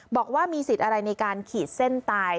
บอกว่ามีสิทธิ์อะไรในการขีดเส้นตาย